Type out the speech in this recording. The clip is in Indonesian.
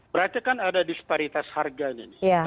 berarti kan ada disparitas harganya nih